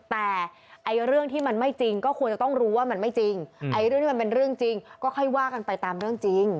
แต่เรื่องที่มันไม่จริงก็ควรจะต้องรู้ว่ามันไม่จริงไอ้เรื่องที่มันเป็นเรื่องจริงก็ค่อยว่ากันไปตามเรื่องจริง